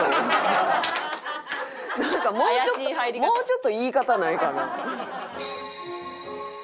なんかもうちょっともうちょっと言い方ないかな？